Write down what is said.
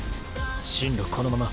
針路このまま。